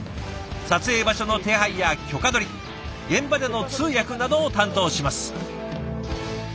撮影場所の手配や許可取り現場での通訳などを担当します。